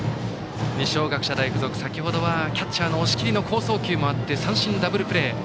二松学舎大付属先程はキャッチャーの押切の好送球もありましてダブルプレー。